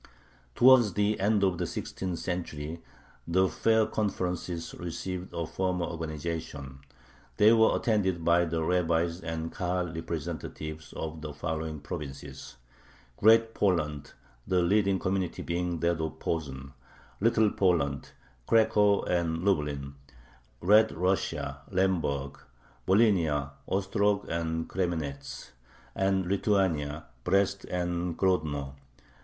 Towards the end of the sixteenth century the fair conferences received a firmer organization. They were attended by the rabbis and Kahal representatives of the following provinces: Great Poland (the leading community being that of Posen), Little Poland (Cracow and Lublin), Red Russia (Lemberg), Volhynia (Ostrog and Kremenetz), and Lithuania (Brest and Grodno).